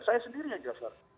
saya sendiri yang jelaskan